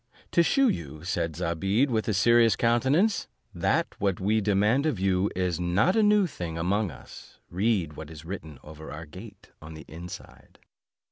"To shew you," said Zobeide with a serious countenance, "that what we demand of you is not a new thing among us, read what is written over our gate on the inside."